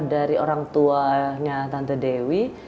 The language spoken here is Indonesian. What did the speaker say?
dari orang tuanya tante dewi